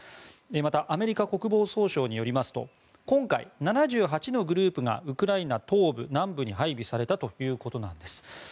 またアメリカ国防総省によりますと今回、７８のグループがウクライナ東部、南部に配備されたということです。